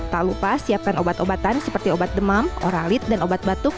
tak lupa siapkan obat obatan seperti obat demam oralit dan obat batuk